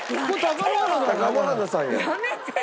やめてよ！